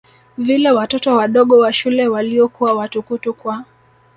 vile watoto wadogo wa shule waliokuwa watukutu kwa